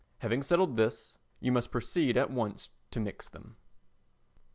Having settled this, you must proceed at once to mix them.